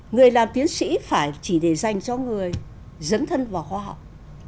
người làm tiến sĩ phải chỉ để dành cho người dấn thân vào khoa học